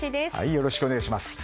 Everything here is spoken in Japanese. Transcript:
よろしくお願いします。